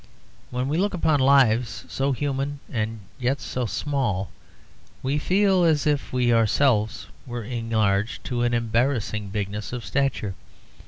When we look upon lives so human and yet so small, we feel as if we ourselves were enlarged to an embarrassing bigness of stature.